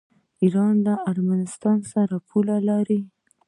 ایران له ارمنستان سره پوله لري.